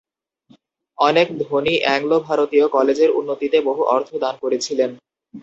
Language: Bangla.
অনেক ধনী অ্যাংলো-ভারতীয় কলেজের উন্নতিতে বহু অর্থ দান করেছিলেন।